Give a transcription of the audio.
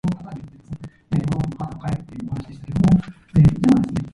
Unlike other similar mynas, its bill is dull whitish rather than orange-yellow.